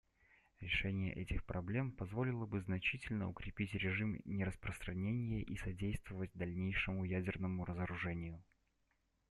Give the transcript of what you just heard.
Решение этих проблем позволило бы значительно укрепить режим нераспространения и содействовать дальнейшему ядерному разоружению.